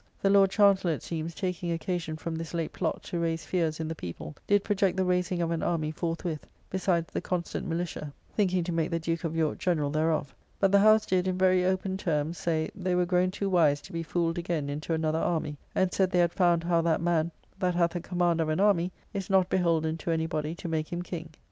The Lord Chancellor, it seems, taking occasion from this late plot to raise fears in the people, did project the raising of an army forthwith, besides the constant militia, thinking to make the Duke of York General thereof. But the House did, in very open terms, say, they were grown too wise to be fooled again into another army; and said they had found how that man that hath the command of an army is not beholden to any body to make him King.